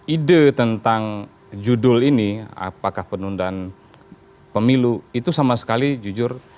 ide tentang judul ini apakah penundaan pemilu itu sama sekali jujur